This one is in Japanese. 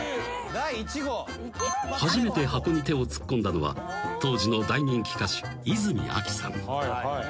［初めて箱に手を突っ込んだのは当時の大人気歌手泉アキさん］